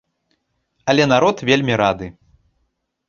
Але народ вельмі рады.